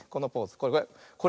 これこれ。